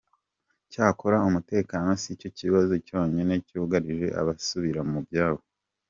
Cyakora umutekano sicyo kibazo cyonyine cyugarije abasubira mu byabo.